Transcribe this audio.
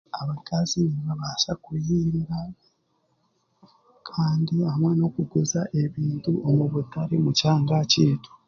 Abakazi nibabaasa kuhinga ... kandi hamwe n'okuguza ebintu omu butare kyanga kyaitu